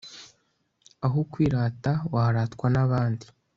aho kwirata, waratwa n'abandi